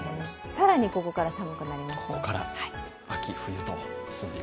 更にここから寒くなりますので。